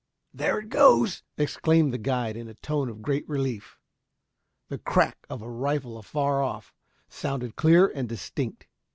"There it goes!" exclaimed the guide in a tone of great relief. The crack of a rifle afar off sounded clear and distinct.